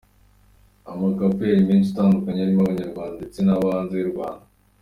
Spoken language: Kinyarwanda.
Ama couple yari menshi atandukanye harimo abanyarwanda ndetse nabo hanze yu Rwanda